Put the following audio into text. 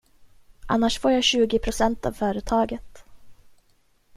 Annars får jag tjugo procent av företaget.